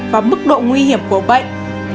và mức độ nguy hiểm của bệnh